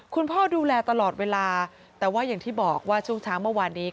คุณพ่อดูแลตลอดเวลาแต่ว่าอย่างที่บอกว่าช่วงเช้าเมื่อวานนี้